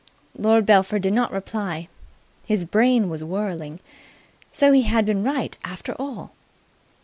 Lord Belpher did not reply. His brain was whirling. So he had been right after all!